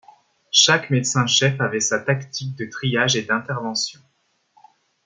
Chaque médecin-chef avait sa tactique de triage et d'interventions.